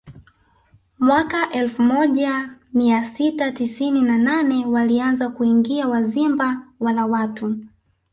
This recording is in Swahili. Mwaka elfu moja mia sita tisini na nane walianza kuingia Wazimba wala watu